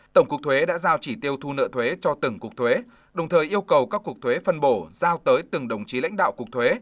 tổng cục thuế đã giao chỉ tiêu thu nợ thuế cho từng cục thuế đồng thời yêu cầu các cuộc thuế phân bổ giao tới từng đồng chí lãnh đạo cục thuế